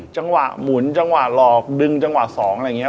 จังหวะหมุนจังหวะหลอกดึงจังหวะสองอะไรอย่างนี้